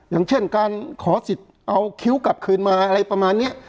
อย่างเช่นการขอสิทธิ์เอาคิ้วกลับคืนมาอะไรประมาณนี้